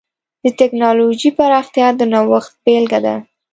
د ټکنالوجۍ پراختیا د نوښت بېلګه ده.